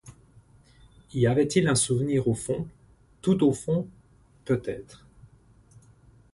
Y avait-il un souvenir au fond? — tout au fond ?— Peut-être.